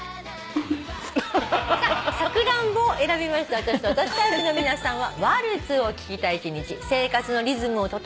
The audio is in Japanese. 私と私タイプの皆さんは。